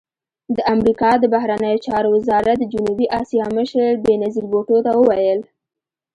د امریکا د بهرنیو چارو وزارت د جنوبي اسیا مشر بېنظیر بوټو ته وویل